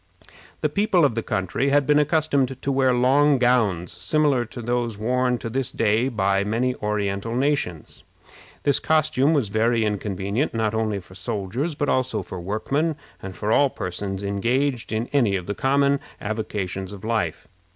The people of the country had been accustomed to wear long gowns, similar to those worn to this day by many Oriental nations. This costume was very inconvenient, not only for soldiers, but also for workmen, and for all persons engaged in any of the common avocations of life.